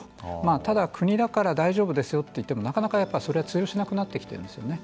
ただ、国だから大丈夫ですよといってもなかなかそれは通用しなくなってきているんですね。